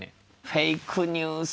フェイクニュース